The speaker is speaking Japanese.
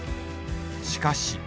しかし。